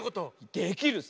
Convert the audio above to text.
できるさ。